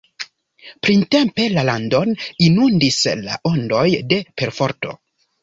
Printempe la landon inundis la ondoj de perforto.